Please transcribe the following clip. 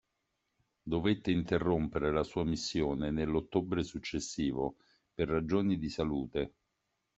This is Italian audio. Dovette interrompere la sua missione nell'ottobre successivo per ragioni di salute.